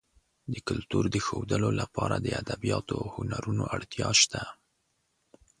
د کلتور د ښودلو لپاره د ادبیاتو او هنرونو اړتیا شته.